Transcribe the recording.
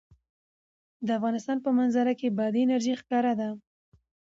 د افغانستان په منظره کې بادي انرژي ښکاره ده.